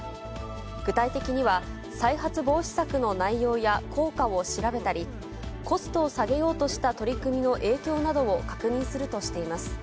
具体的には、再発防止策の内容や効果を調べたり、コストを下げようとした取り組みの影響などを確認するとしています。